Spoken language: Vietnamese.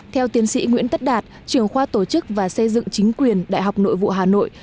theo tiến sĩ nguyễn tất đạt trường khoa tổ chức và xây dựng chính quyền đại học nội vụ hà nội